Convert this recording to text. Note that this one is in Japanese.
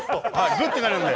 ぐってなるんで。